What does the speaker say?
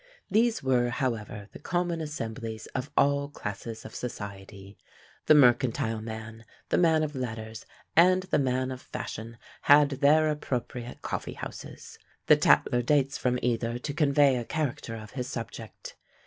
These were, however, the common assemblies of all classes of society. The mercantile man, the man of letters, and the man of fashion, had their appropriate coffee houses. The Tatler dates from either to convey a character of his subject.